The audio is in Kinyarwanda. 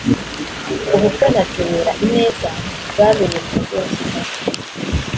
ubukwe na Joella Ineza bwabereye mu mujyi wa Kigali